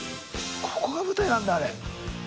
ここが舞台なんだあれ。